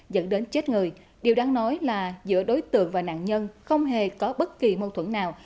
dẫn đến chết người điều đáng nói là giữa đối tượng và nạn nhân không hề có bất kỳ mâu thuẫn nào